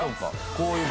こういう事？